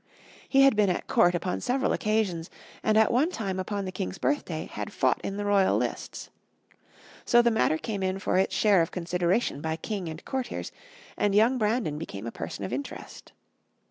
He had been at court upon several occasions, and, at one time, upon the king's birthday, had fought in the royal lists. So the matter came in for its share of consideration by king and courtiers, and young Brandon became a person of interest.